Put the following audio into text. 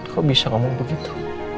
kok bisa kamu begitu